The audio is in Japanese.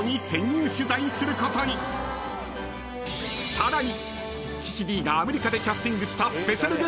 ［さらに］